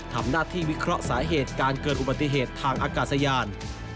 ทำหน้าที่วิเคราะห์สาเหตุการเกิดอุบัติเหตุทางอากาศยาน